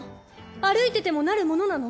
歩いててもなるものなの？